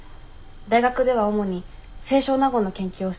大学では主に清少納言の研究をしています。